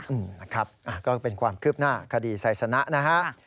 อืมนะครับก็เป็นความคืบหน้าคดีไซสนะนะฮะ